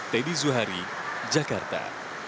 teddy zuhari jakarta